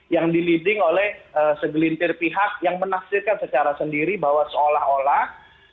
yang dileading oleh segelintir pihak yang menafsirkan secara sendiri bahwa seolah olah